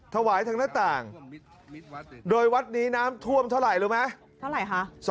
ถวายทางหน้าต่างโดยวัดนี้น้ำท่วมเท่าไรรู้มั้ย